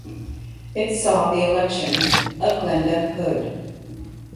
It saw the election of Glenda Hood.